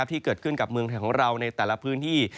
ที่เกิดขึ้นกับเมืองไทยของเราในแต่ละพื้นที่